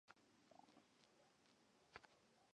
不清楚他有没有兄弟姊妹。